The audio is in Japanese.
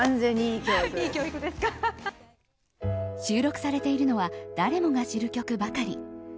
収録されているのは誰もが知る曲ばかり。